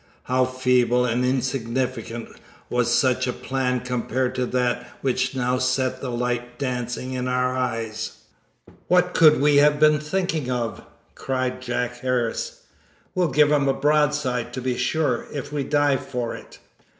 How feeble and insignificant was such a plan compared to that which now sent the light dancing into our eyes! "What could we have been thinking of?" cried Jack Harris. "We'll give 'em a broadside, to be sure, if we die for it!"